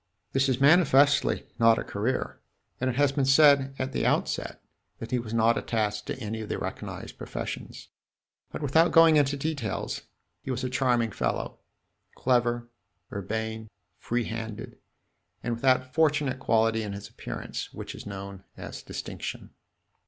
This is manifestly not a career, and it has been said at the outset that he was not attached to any of the recognized professions. But without going into details, he was a charming fellow clever, urbane, free handed, and with that fortunate quality in his appearance which is known as distinction.